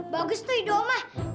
bagus tuh itu mama